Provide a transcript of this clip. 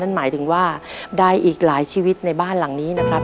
หมายถึงว่าใดอีกหลายชีวิตในบ้านหลังนี้นะครับ